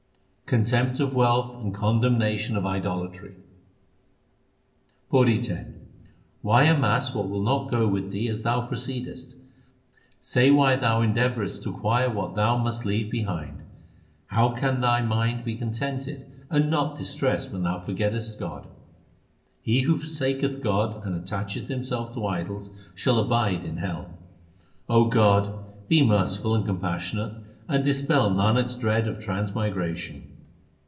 Contempt of wealth and condemnation of idolatry: PAURI X Why amass what will not go with thee as thou pro ceedest ? Say why thou endeavourest to acquire what thou must leave behind ? How can thy mind be contented and not distressed when thou forgettest God ? He who forsaketh God and attacheth himself to idols shall abide in hell. O God, be merciful and compassionate, and dispel Nanak s dread of transmigration.